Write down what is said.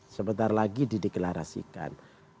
sebentar lagi di deklarasikan